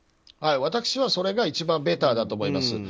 私はそれが一番ベターだと思います。